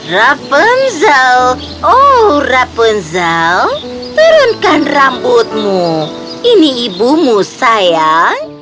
rapunzel oh rapunzel turunkan rambutmu ini ibumu sayang